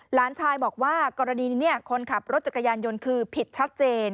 หลานชายบอกว่ากรณีนี้คนขับรถจักรยานยนต์คือผิดชัดเจน